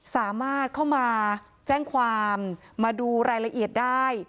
สามารถเข้ามาแจ้งความมาดูรายละเอียดได้